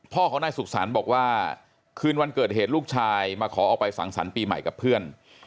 พ่อของนายสุขสรรค์บอกว่าคืนวันเกิดเหตุลูกชายมาขอออกไปสังสรรค์ปีใหม่กับเพื่อน